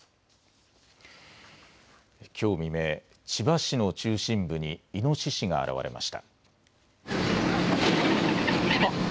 きょう未明、千葉市の中心部にイノシシが現れました。